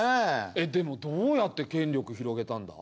えっでもどうやって権力広げたんだ？